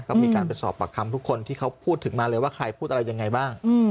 ก็มีการไปสอบปากคำทุกคนที่เขาพูดถึงมาเลยว่าใครพูดอะไรยังไงบ้าง